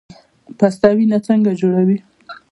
پسته وینه څنګه جوړوي؟